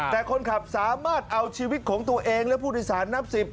แต่คนขับสามารถเอาชีวิตของตัวเองและผู้โดยสารนับ๑๐